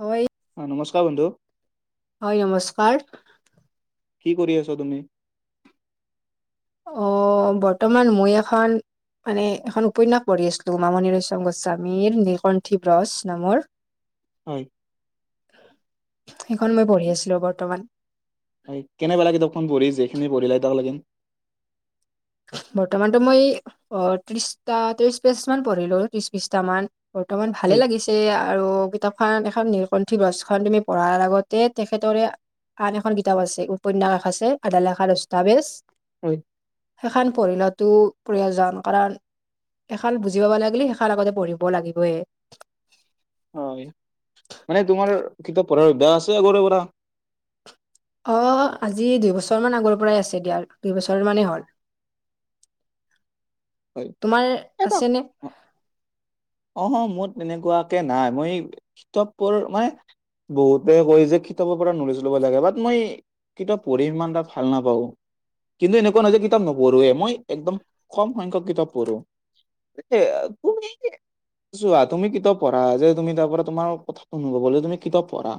হয়। অ', নমস্কাৰ বন্ধু। হয়, নমস্কাৰ। কি কৰি আছা তুমি? অ', বৰ্তমান মই এখন। মানে এখন উপন্যাস পঢ়ি আছিলোঁ, মামণি ৰয়চম গোস্বামীৰ নীলকণ্ঠী ব্ৰজ নামৰ। হয়। সেইখন মই পঢ়ি আছিলোঁ বৰ্তমান। হয়। কেনে পালা কিতাপখন পঢ়ি যিখিনি পঢ়িলা এতিয়ালৈকে। বৰ্তমানতো মই ত্ৰিশটা, ত্ৰিশ পেচ মান পঢ়িলোঁ ত্ৰিশ বিশছটা মান। বৰ্তমান ভালে হয় লাগিছে আৰু কিতাপখান এখন নি পুঠি গ্ৰছখন তুমি পঢ়াৰ আগতে তেখেতৰে আন এখন কিতাপ আছে উপন্যাস আছে, আদালেখা দস্তাবেজ। হয়। সেইখন পঢ়িলেতো প্ৰয়োজন কাৰণ এইখান বুজি পাব লাগিলি সেইখান আগতে পঢ়িব লাগিবয়ে। হয়। মানে তোমাৰ কিতাপ পঢ়াৰ অভ্যাস আছে আগৰে পৰা? অহ, আজি দুইবছৰ মান আগৰ পৰাই আছে দিয়া দুইবছৰ মানেই হ'ল। [inaudible] তোমাৰ আছেনে? অহ', অহ' মোৰ তেনেকুৱাকে নাই, মই কিতাপবোৰ মানে বহুতে কৈ আছে কিতাপৰ পৰা নলেচ লবা লাগে বাট মই কিতাপ পঢ়ি ইমান এটা ভাল নাপাওঁ। কিন্তু এনেকুৱা নহয় যে কিতাপ নপঢ়োৱে, মই একদম কম সংখ্যক কিতাপ পঢ়োঁ। [unintelligible] চোৱা তুমি কিতাপ পঢ়া যে তুমি তাৰ পৰা তোমাৰ কথাটো অনুভব হ'লে তুমি কিতাপ পঢ়া।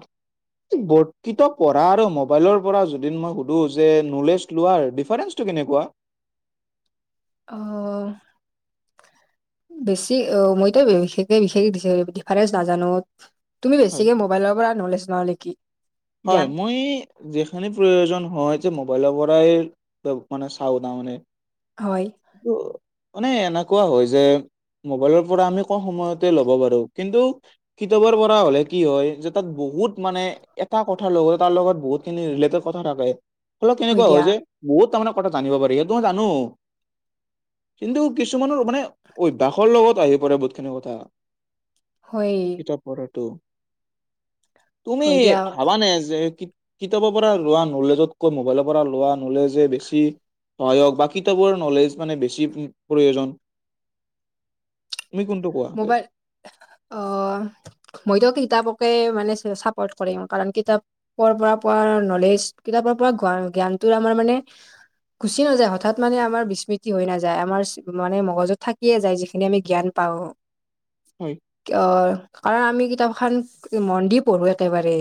কিতাপ পঢ়া আৰু মোবাইলৰ পৰা যদি মই সুধো যে নলেজ লোৱাৰ ডিফাৰেঞ্চটো কেনেকুৱা? অহ'। বেছি অ মইতো বিশেষে বিশেষ ডিফাৰেঞ্চ নাজানো তুমি হয় বেছিকে মোবাইলৰ পৰা নলেজ ল' নেকি। হয় জ্ঞান মই যিখিনি প্ৰয়োজন হয় যে মোবাইলৰ পৰাই এ মানে চাওঁ তাৰমানে। হয়। অহ'। মানে এনেকুৱা হয় যে মোবাইলৰ পৰা আমি কম সময়তে ল'ব পাৰো কিন্তু কিতাপৰ পৰা হ'লে কি হয় যে তাত বহুত মানে এটা কথাৰ লগতে তাৰ লগত বহুতখিনি ৰিলেটেড কথা থাকে, ফলত কেনেকুৱা হয় যে বহুত তাৰমানে কথা জানিব পাৰি সেই জানোঁ। কিন্তু কিছুমানৰ মানে অভ্যাসৰ লগত আহি পৰে বহুতখিনি কথা। হয়। [unintelligible] তুমি হয় দিয়া মানে যে কিতাপৰ পৰা লোৱা নলেজতকৈ মোবাইলৰ পৰা লোৱা নলেজে বেছি। সহায়ক বা কিতাপৰ নলেজ মানে বেছি প্ৰ-প্ৰয়োজন। তুমি কোনটো কৱো? মোবাইল অহ মইতো কিতাপকে মানে চাপ'ৰ্ট কৰিম কাৰণ কিতাপ ক'ৰ পৰা পোৱা নলেজ কিতাপৰ পৰা জ্ঞা-জ্ঞানটোৰ আমাৰ মানে গুচি নাযায় হঠাৎ মানে আমাৰ বিস্মৃতি হৈ নাযায় আমাৰ মানে মগজত থাকিয়ে যায় যি এতিয়া আমি জ্ঞান পাওঁ। হয়। অ, কাৰণ আমি কিতাপখন মন দি পঢ়ো একেবাৰে।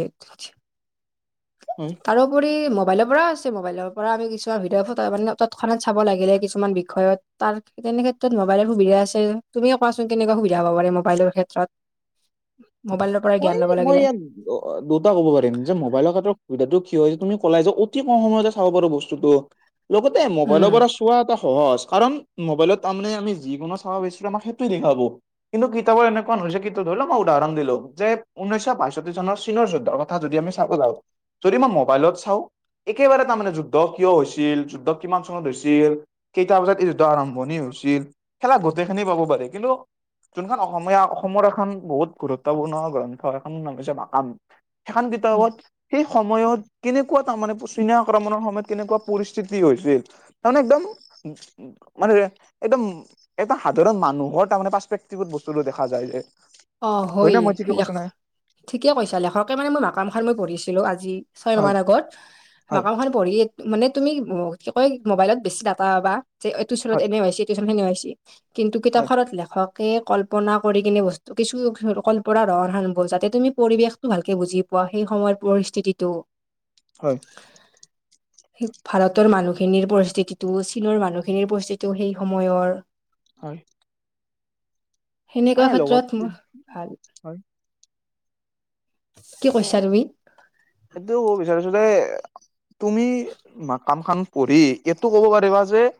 হয়। তাৰোপৰি মোবাইলৰ পৰা আছে আৰু মোবাইলৰ পৰা আমি কিছুমান ভিডিঅ' পঠাবা পাৰি ন' তৎক্ষণাত চাব লাগিলে কিছুমান বিষয়ত তাৰ তেনে ক্ষেত্ৰত মোবাইলৰ সুবিধা আছে তুমিয়ে কোৱাচোন। কেনেকুৱা সুবিধা হব পাৰে মোবাইলৰ ক্ষেত্ৰত মবাইলৰ মই মই আনো অ' দুটা কব পাৰিম যে মোবাইলৰ ক্ষেতৰ সুবিধটো কি হয় হৈছে তুমি কলাই যে অতি কম সময়তে চাব পাৰো বস্ত। লগতে মোবাইলৰ উম পৰা- চোৱা এটা সহজ কাৰণ মোবাইলত তাৰমানে আমি যিকোনো চাব বিচাৰো আমাক সেইটোৱে দেখাব। কিন্তু কিতাপত এনেকুৱা নহয় যে ধৰি লক মই উদাহৰণ দিলো। যে ঊনৈশ বাষষ্ঠি চনৰ চীনৰ যুদ্ধৰ কথা যদি আমি চাব যাওঁ, যদি মই মোবাইলত চাওঁ একেবাৰে তাৰমানে যুদ্ধ কিয় হৈছিল, যুদ্ধ কিমান চনত হৈছিল, কেইটা বজাত এই যুদ্ধ আৰম্ভণি হৈছিল। খেলা গোটেই খিনি পাব পাৰি, কিন্তু যোনখন অসমীয়া অসমৰ এখন বহুত গুৰুত্বপূৰ্ণ গ্ৰন্থ সেইখনৰ নাম হৈছে মাকাম, সেইখন কিতাপত সেই সময়ত কেনেকুৱা তাৰমানে চীনা আক্ৰমণৰ সময়ত কেনেকুৱা পৰিস্থিতি হৈছিল। তাৰমানে একদম মানে একদম এটা সাধাৰণ মানুহৰ তাৰমানে পাচপেকটিভ বস্তুটো দেখা যায় যে অ' ন হয় মই ঠিকে লেখ কৈছো নাই ঠিকে কৈছা, লেখকে মানে মই মাকামখান মই পঢ়িছিলো আজি। ছয় মাহ হয় মান আগত, হয় মাকাম পঢ়ি মানে তুমি কি কয় মোবাইলত বেছি ডাটা পাবি যে এইটো চনত হয় এনে হৈছিল। [unintelligible] কিন্তু হয় কিতাপখনত লেখকে কল্পনা কৰি কিনে বস্তু কিছু কল্পৰাৰ ৰহন সানি, যাতে তুমি পৰিৱেশটো ভালকে বুজি পোৱা সেই সময়ৰ পৰিস্থিতিটো হয়। ভাৰতৰ মানুহখিনিৰ পৰিস্থিতিটো, চীনৰ মানুহখিনিৰ পৰিস্থিতিও সেই সময়ৰ হয়। মানে সেনেকুৱা লগত ক্ষেত্ৰত মোৰ ভাল হয় কি মানে কৈছা তুমি এইটো ক'ব বিচাৰিছো যে তুমি মাকাম খান পঢ়ি এইটো ক'ব পাৰিবা যে-'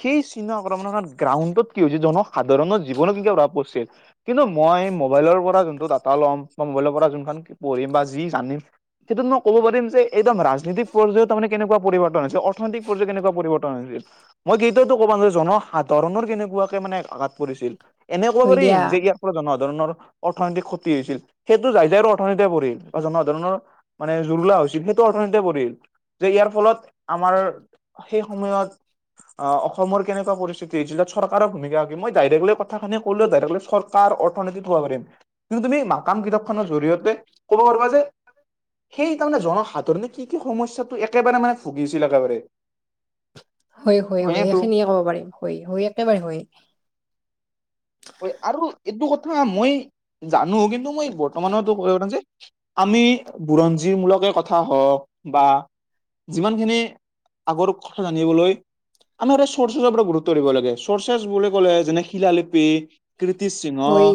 সেই চিনা আক্ৰমণৰ গ্ৰাউণ্ডত কি হৈছে, জনসাধাৰণৰ জীৱনত কি প্ৰভাব পৰিছিল- কিন্তু মই মোবাইলৰ পৰা যোনটো ডাটা ল'ম বা মোবাইলৰ পৰা যোনখন পঢ়িম বা যি জানিম সেইটোত মই ক'ব পাৰি যে, একদম ৰাজনীতিক পৰ্যায়ত তাৰমানে কেনেকুৱা পৰিৰ্তন হৈছে অৰ্থনৈতিক পৰ্যয় কেনেুৱা পৰিৱৰ্তন আছিল। মই কিন্তু ক'বা নোৱাৰিম যে জনসাধাৰণৰ কেনেকুৱাকে মানে আঘাত পৰিছিল, এনে খবৰ হয় দিয়া পাৰিম যে ইয়াত জনসাধাৰণৰ অৰ্থনৈতিক ক্ষতি হৈছিল সেইটো যায় যায় অৰ্থনীতি পৰিল বা জনসাধাৰণৰ মানে জুৰুলা হৈছিল সেইটো অৰ্থনীতি পৰিল যে ইয়াৰ ফলত আমাৰ সেই সময়ত অ' অসমৰ কেনেকুৱা পৰিস্থিতিতি হৈছিল তাত চৰকাৰৰ ভূমিকা কি মই ডাইৰেক্টলি কথাখিনি কলোয়ে ডাইৰেক্টলি অৰ্থনীতিত চব পাৰিম কিন্তু তুমি মাকাম কিতাপ খনৰ জৰিয়তে ক'ব পাৰিবা যে সেই তাৰ মানে জনসাধাৰণে কি কি সমস্যাটো একেবাৰে মানে ভুগিছিল একেবাৰে হয়, হয়, হয় হয়তো সেইখিনিয়ে ক'ব পাৰিম হয়, হয় একেবাৰে হয়। হয় আৰু এইটো কথা মই জানো কিন্তু মই বৰ্তমানো কথা যে আমি বুৰঞ্জী মূলকে কথা হওঁক বা যিমান খিনি আগৰ কথা জানিবলৈ আমি চৰ্ চচাৰ পৰা গুৰুত্ব লাগে চৰ্চেছ বুলি ক'লে যেনে শিলালিপি, কীৰ্তি সিংহ হয়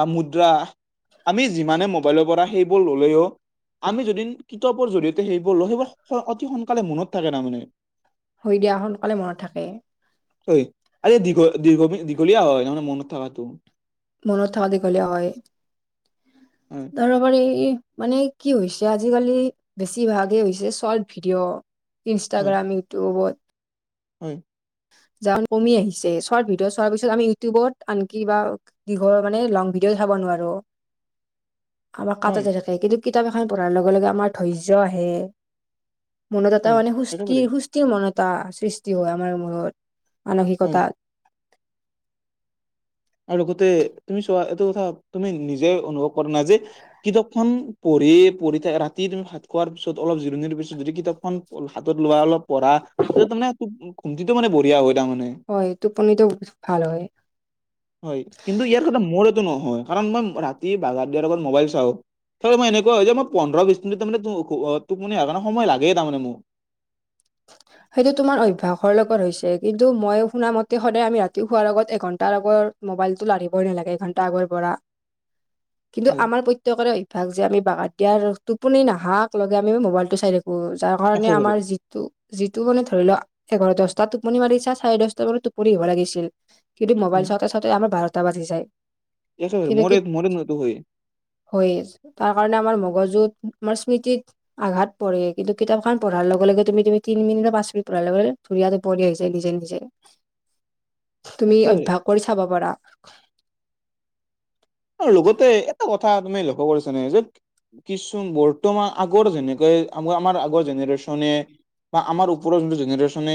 বা মুদ্ৰা আমি যিমানে মোবাইলৰ পৰা সেইবোৰ ললেও আমি যদি কিতাপৰ জৰিয়তে সেইবোৰ লওঁ সেইবোৰ অতি সোনকালে মনত থাকে তাৰমানে। হয় দিয়া সোনকালে মনত থাকে। -দীঘলীয়া হয় মানে মনত থাকটো। মনত থাকা দীঘলীয়া হয়। উম। তাৰমানে এই মানে কি হৈছে আজিকালি বেছিভাগেই হৈছে শৰ্ট ভিডিঅ' হয় ইনষ্টাগ্ৰাম, ইউটিউবত। হয়। [unintelligible] কমি আহিছে চৰ্ট ভিডিঅ' চোৱাৰ পিছত আমি ইউটিউবত, আনকি বা কি হয় মানে লং ভিডিঅ চাব নোৱাৰো। আমাৰ হয় কাাটতে থাকে কিন্তু কিতাপ এখন পঢ়াৰ লগে লগে আমাৰ ধৈৰ্য আহে। মনত এটা হয় মানে একেবাৰে সুস্থিৰ সুস্থিৰ মন এটা সৃষ্টি হয় আমাৰ মনত হয় মানসিকতাত। আৰু লগতে তুমি চোৱা এইটো কথা তুমি নিজে অনুভৱ কৰা নাই যে কিতাপখন পঢ়ি পঢ়ি থাকা ৰাতি ভাত খোৱাৰ পিছত অলপ জিৰণিৰ পিছত যদি কিতাপখন হাতত লোৱা অলপ পঢা তাৰে কুমটিটো মানে বঢ়িয়া হয় তাৰ মানে [unintelligible] হয় টোপনটো ভাল হয়। হয় কিন্তু ইয়াৰ কথা মোৰটো নহয় কাৰণ, মই ৰাতি বাগাৰ দিয়াৰ আগত মোবাইল চাও [unintelligible] ত মই এনেকুৱা যে মই পোন্ধৰ বিশ মিনি তাৰ মান তোকুনিণে সময় লাগেই তাৰমানে মোক [inaudible] [unintelligible] সেইটো তোমাৰ অভ্যাসৰ লগত হৈছে কিন্তু মই শুনা মতে সদায় আমি ৰাতি শোৱাৰ লগত এঘণ্টাৰ আগৰ মোবাইলটো আনিবই নালাগে এঘণ্টা আগৰ পৰা। [unintelligible] কিন্তু আমাৰ প্ৰত্েকৰে অভ্যস যে, আমি বাগ দিয়াৰ টোপনি নাহাকলে আমি মোবাইলটো চাই থকো। যাৰ কাৰণে একেবাৰে আমাৰ যিটো যিটো মানে ধৰি লও এঘাৰ দহটা টোপনি মাৰিছা চাৰে দহটা মানত টোপনি হব লাগিছিল। কিন্তু উম মোবাইল চওঁতে চাওঁতে আমাৰ বাৰটা বাজি যায়। একেবাৰে মৰে মৰে মতো হয় [inaudible] হৈ আছে তাৰ কাৰণে আমাৰ মগজুত আমাৰ স্মৃতিত আঘাত পঢৰে কিন্তু কিতাপ খন পঢ়াৰ লগে লগে তুমি তুমি, তিনি মিনিট বা পাঁচ মিনিট পে ধুনীয়াপৰি আহিছে নিজে নিজে [inaudible] তুমি একেবাৰে অভ্যাস কৰি চাব পাৰা। আৰু লগতে এটা কথা তুমি লক্ষ্য কৰিছ নে? যে কিছু বৰ্তমান আগৰ যেনেকৈ আম আমাৰ আগৰ জেনেৰে্ছনে বা আমাৰ ওপৰৰ যোনটো জেনেৰেশ্যনে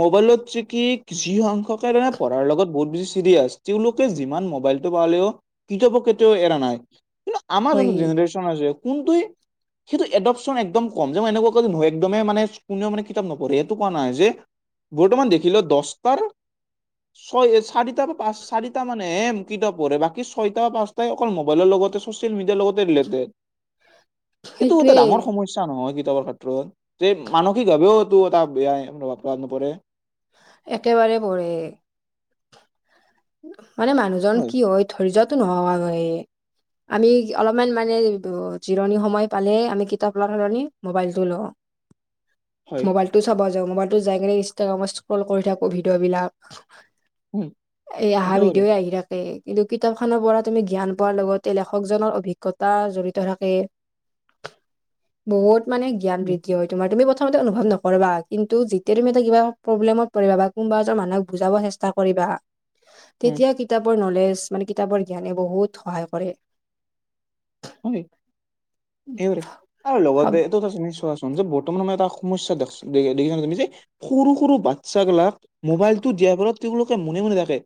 মোবাইলত যে কি যিসখ্য্কেে পঢ়াৰ লগত বহুত বেছি চিৰিয়াছ তেওঁলোকে যিমান [unintelligible] মোবাইল পেও কিতাপ কেতিয়াও এৰা নাই কিন্তু, আমাৰ হয় যোনো জেনেৰেছন আছে কোনটো সেইটো এডপচন একদম কম যে, মই এনেকুৱা ক নহয় একদমে মানে কোনেও মানে কিতাপ নপঢ়ে এইটো কোৱা নাই যে বৰ্তমান দেখিল দছটাৰ ছয় চাৰিটা বা পাঁচ চাৰিটা মানে এম বাকটা পৰে বাকী ছয়টা পাঁচটাই অকল মোবাইলৰ লগতে স'চিয়েল মিডিয়াৰ লগতে ৰিলেটেড। এইটো এটা সেইটোৱে ডাঙৰ সমসা ইচ্ছা নহয় কিতাপৰ ক্ষেত্ৰত যে মানসিক ভাৱেওটো এটা বেয়াই নপৰে একেবাৰে পঢৰে [inaudible] মানে মানুহজন কি হয় ধৰি্যো নোহ [inaudible] আমি অলপমান মানে জিৰণি সময় পালে আমি কিতাপ ৰ সলনি মোবাইলটো লওঁ। [unintelligible] মোবাইলটো চাব যাওঁ মোবাইলটো যাই কিনে ইনষ্টাগ্ৰামত স্ক্ৰল কৰি থাকো ভিডিঅ' বিলাক উম এই অহা একেবাৰে ভিডিঅ' আহি কিন্তু, কিতাপ খনৰ পৰা তুমি জ্ঞান পোৱাৰ লগতে লেখকজনৰ অভিজ্ঞতা জড়িত থাকে [inaudible] বহুত মানে জ্ঞান উম বৃদ্ধি হয় তোমাৰ তুমি প্ৰথমতে অনুভৱ নকৰিবা কিন্তুতিয়াুমি [unintelligible] এটািবা প্ৰবলেমত পৰিবা কোনোবা এজন মানুহক বুজাব চেষ্টা চষ্টা কৰিবা হয় তেতিয়া কিতাপৰ নলেজ মানে কিতাপৰ জ্ঞানে বহুত সহায় কৰে। হয় ত হব- লগতেটো ত নিশ [inaudible] বৰ্তমান আম এটা সমস্যা দেই দেখিছা তুমি যে সৰু সৰু বাচ্ছাবিলাক মোবাইলটো দিয়াৰ ফলত তেওঁলোকে মনে মনে থাকে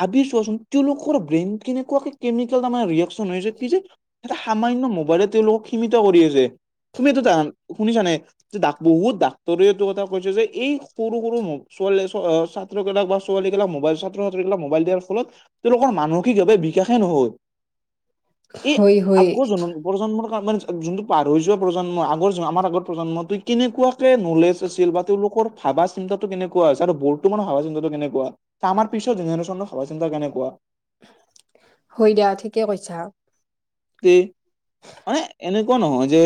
ভাবি চোৱাচোন তেওঁলোকৰ ব্ৰেইন কেনেকুৱাকে কেমিকেল তাৰমানে ৰিয়েকশচন হৈছে কি যে এটা সামান্য মোবাইলে তেওঁলোকক সীমিত কৰি আছে তুমি এইটো শুনিছা নে? বহুত ডাক্তৰে এইটো কথা কৈছে যে এই সৰু সৰু ছো অ', ছোৱালী ছাত্ৰগিলাক বা ছোৱালীবিলাক মোবাইল ছাত্ৰ ছাত্ৰীবিলাক মোবাইল দিয়াৰ ফলত তেওঁলোকৰ মানসিকভাৱে বিকাশে নহ'ল। [inaudible] হয় হয়। প্ৰজন্মৰ মানে যোনটো পাৰ হৈ যোৱা প্ৰজন্ম আগৰ আমাৰ আগৰ প্ৰজন্ম তই কেনেকুৱা নলেজ আছিল বা তেওঁলোকৰ ভাবা চিন্তাটো কেনেকুৱা হৈছে আৰু বৰ্তুমানৰ ভাবা চিন্তাটো কেনেকুৱা। মাৰ পিছত যেজ চনে [unintelligible] সব চিন্তা কেনেকুৱা হৈ দিয়া, ঠিকে কৈছা। তে, মানে এনেকুৱা নহয় যে।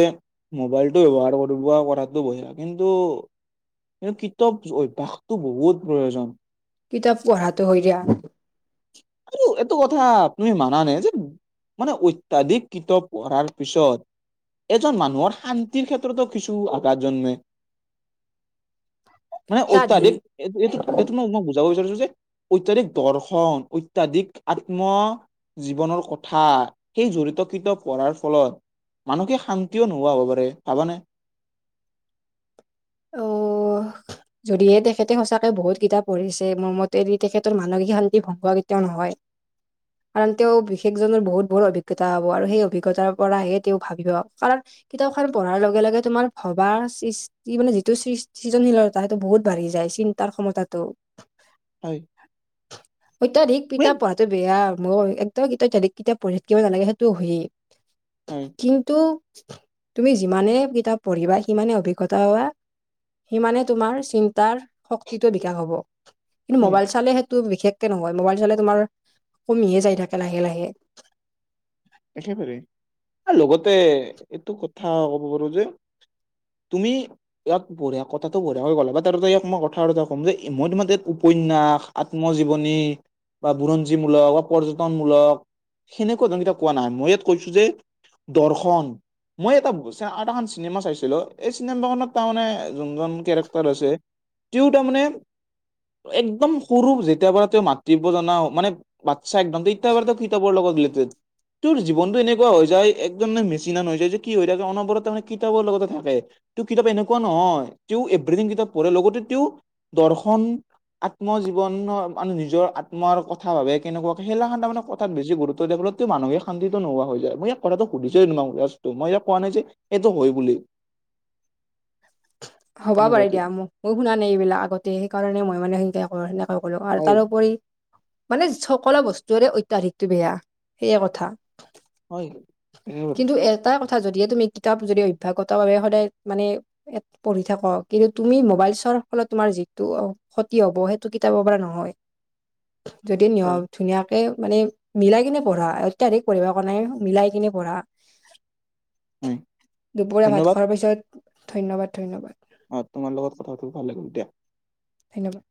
মোবাইলটো ব্যৱহাৰ কৰিব কৰাতো বজা [unintelligible] কিন্তু কিন্তু কিতাপ অভ্যাসতটো বহুত প্ৰয়োজন। কিতাপ পঢ়াটো হয় দিয়া। আৰু এইটো কথা তুমি মানা নে যে মানে অত্যাধিক কিতাপ পঢ়াৰ পিছত এজন মানুহৰ শান্তিৰ ক্ষেত্ৰতো কিছু আঘাত জন্মে। মানে হিতাধি অত্যাধিক এই এইটো এইটো ন মই বুজাব বিচাৰিছো যে অত্যাধিক দৰ্শন অত্যাধিক আত্ম জীৱনৰ কথা সেই জড়িত কিতাপ পঢ়াৰ ফলত মানুহকে শান্তিও নোহোৱা হ'ব পাৰে, ভাবানে? অ' [inaudible] যদিহে তেখেতে সঁচাকে বহুত কিতাপ পঢ়িছে মোৰমতেদি তেখেতৰ মানসিক শান্তি ভংগোৱা কেতিয়াও নহয়। [inaudible] কাৰণ তেওঁ বিশেষজনৰ বহুত বহুত অভিজ্ঞতা হ'ব আৰু সেই অভিজ্ঞতাৰ পৰাহে তেওঁ ভাবিব, কাৰণ কিতাপখন পঢ়াৰ লগে লগে তোমাৰ ভবা ই মানে যিটো সৃ-সৃজনশীলতা সেইটো বহুত বাঢ়ি যায় চিন্তাৰ ক্ষমতাটো হয়। অত্যাধিক মেন কিতাপ পঢ়া টো বেয়া মই একদম কিতয়া [unintelligible] যদিক কেতিয়া পঢ়ি থাকিব নালাগে সেইটোও হয়ি উম। কিন্তু তুমি যিমানে কিতাপ পঢ়িবা সিমানে অভিজ্ঞ পাবা, সিমানে তোমাৰ চিন্তাৰ শক্তিটো বিকাশ হ'ব। কিন্তু হয় মোবাইল চালে সেইটো বিশেষকে নহয় মোবাইল চালে তোমাৰ কমিয়ে যাই থাকে লাহে লাহে। একেবাৰে, আৰু লগতে এইটো কথা ক'ব পাৰো যে তুমি ইয়াক বঢ়িয়া কথাটো বঢ়িয়াকৈ গ'ল ব ত মই কথা এটা ক'ম যে মই তোমাৰ ইাত উপন্যাসাা আত্মজীৱনী বা বুৰঞ্জীমূলক বা পৰ্যটনমূলক সেনেকুৱা ধৰণ কোৱা নাই মই ইয়াত কৈছো যে দৰ্শন মই এটা এটা এখন চিনেমা চাইছিলো এই চিনেমাখনত তাৰমানানে যোনজন কেৰেক্টাৰ আছে তেওঁ তাৰমানে একদম সৰু যেতিয়াৰ পৰা তেওঁ মাতৃব জনা মানে বাত্‌চা একদম তেতিয়া পৰা তেওঁ কিতাবৰ লগত ৰিলেতেদ। তোৰ জীৱনটো এনেকুৱা হৈ যায় একদম ম মেচিন আন হৈ যায় যে কি হৈ থাকে অনবৰত তাৰমানে কিতাপৰ লগতে থাকে। তেওঁ কিতাপ এনেকুৱা নহয় তেওঁ এভ্ৰিথিং কিতাপ পঢ়ে লগতে তেওঁ দৰ্শন আত্মজীৱনৰ মানে নিজৰ আত্মৰ ক কথা ভাবে কেনেকুৱা খেলাখান মানে কথা বেছি গুৰুত্ব দিয়ে [unintelligible] মানুহে শান্তিতো নোহোৱা হৈ যায় মই ই কথাটো সুধিছই নোটো মই ইয়াক কোৱা নাই যে এইটোৱে হয় বুলি। [inaudible] হ'ব পাৰে এনেকুৱাটো দিয়া মোক মই শুনা নাই এইবিলাক আগতে সেইকাৰণে মই মানে সা কৰো স [unintelligible] আৰু হয় তাৰোপৰি মানে সকলো বস্তুৰে অত্যাধিকটো বেয়া সেইয়ে কথা। হয় কিন্তু এটা কথা যদিহে তুমি কিতাপ যদি অভ্যাসতাৰ বাবে সদায় মানে এ পঢ়ি থাক কিন্তু তুমি মোবাইল চোৱাৰ ফলত তোমাৰ যিটো অ' ক্ষতি হ'ব সেইটো কিতাব পৰা নহয়, যদি নিয় হয় ধুনীয়া মানে মিলাই কিনে পঢ়া, অত্যাধিক পঢ়িবা কোৱা নাই এই মিলাই কিনে পঢ়া। হয় দুপৰীয়া ভাত ধন্যবাদ খোৱাৰ পিছত। ধন্যবাদ-ধন্যবাদ। অহ, তোমাৰ লগত কথা পাতি ভাল লাগিল দিয়া। ধন্যবাদ।